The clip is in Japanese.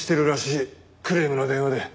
クレームの電話で。